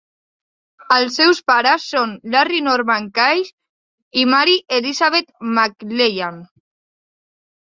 Els seus pares són Larry Norman Kaye i Mary Elizabeth McLellan.